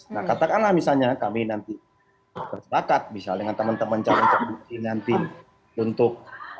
nah katakanlah misalnya kami nanti bersebakat misalnya dengan teman teman cawa pres nanti untuk